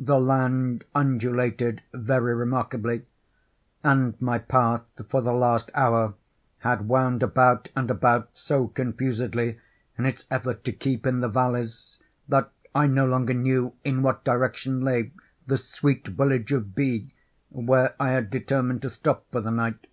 The land undulated very remarkably; and my path, for the last hour, had wound about and about so confusedly, in its effort to keep in the valleys, that I no longer knew in what direction lay the sweet village of B——, where I had determined to stop for the night.